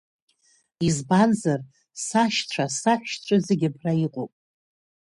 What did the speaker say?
Избанзар, сашьцәа саҳәшьцәа зегьы абра иҟоуп.